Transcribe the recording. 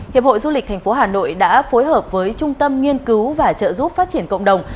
hiệp hội du lịch tp hà nội đã phối hợp với trung tâm nghiên cứu và trợ giúp phát triển cộng đồng